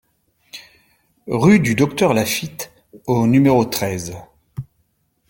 Rue du Docteur Lafitte au numéro treize